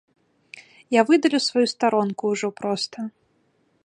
Я выдалю сваю старонку ужо проста.